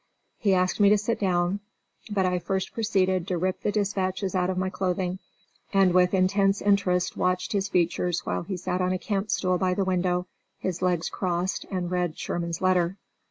He asked me to sit down, but I first proceeded to rip the dispatches out of my clothing, and with intense interest watched his features while he sat on a camp stool by the window, his legs crossed, and read Sherman's letter.